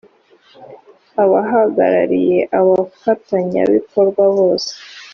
abahagarariye abafatanya bikorwa bose